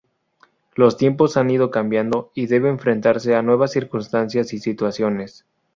Los tiempos han ido cambiando y debe enfrentarse a nuevas circunstancias y situaciones.